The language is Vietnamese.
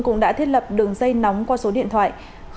cũng đã thiết lập đường dây nóng qua số điện thoại